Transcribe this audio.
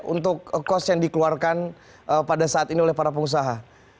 untuk kos yang dikeluarkan pada saat ini oleh para pengusaha